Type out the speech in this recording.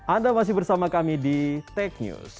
anda masih bersama kami di tech news